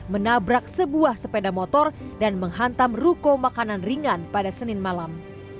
menabrak sebuah sepeda motor dan menghantam ruko makanan ringan pada senin malam